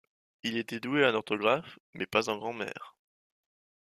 il était doué en orthographe mais pas en grammaire